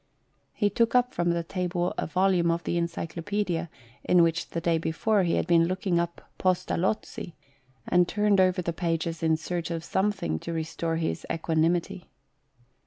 He took up from the table a volume of the encyclo pedia in which, the day before, he had been looking up Pestalozzi, and turned over the pages in search of something to restore his equanimity.